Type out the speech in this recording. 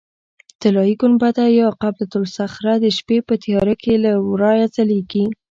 طلایي ګنبده یا قبة الصخره د شپې په تیاره کې له ورایه ځلېږي.